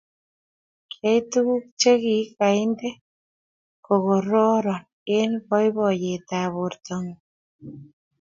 Kiyai tuguk cheginaite kogororon eng boiboiyetab bortangung